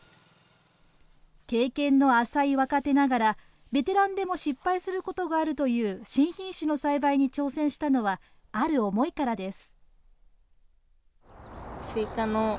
経験の浅い若手ながら、ベテランでも失敗することがあるという新品種の栽培に挑戦したのは、ある思いからです。